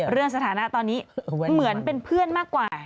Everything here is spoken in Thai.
สถานะตอนนี้เหมือนเป็นเพื่อนมากกว่า